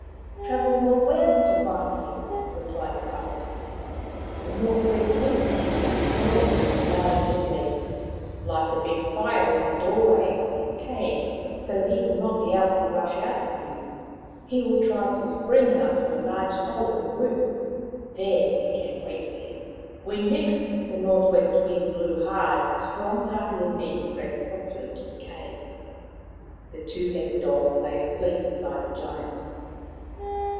Travel north west to find him," replied Kaia. The north w r est wind is his snoring as he lies asleep. Light a big fire in the doorway of his cave, so that he will not be able to rush out on you. He will try to spring out through a large hole in the roof. There you can wait for him." When next the north west wind blew hard a strong party of men crept softly to the cave. The two headed dogs lay asleep beside the Giant.